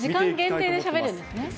時間限定でしゃべるんですね。